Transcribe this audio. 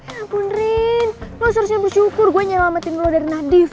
ya ampun rin lo seharusnya bersyukur gue nyelamatin lo dari nadif